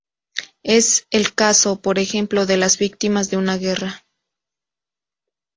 Es el caso, por ejemplo, de las víctimas de una guerra.